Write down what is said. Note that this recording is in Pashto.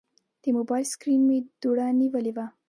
د موبایل سکرین مې دوړه نیولې وه.